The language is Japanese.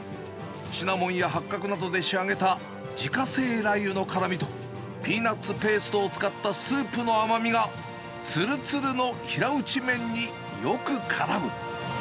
シナモンや八角などで仕上げた自家製ラー油の辛みとピーナツペーストを使ったスープの甘みが、つるつるの平打ち麺によくからむ。